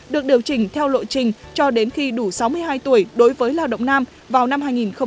được điều chỉnh theo lộ trình cho đến khi đủ sáu mươi hai tuổi đối với lao động nam vào năm hai nghìn hai mươi